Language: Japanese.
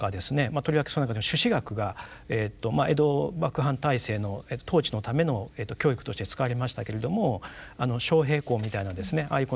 とりわけその中でも朱子学が江戸幕藩体制の統治のための教育として使われましたけれども昌平黌みたいなですねああいう